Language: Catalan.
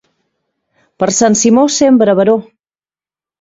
Per Sant Simó, sembra, baró.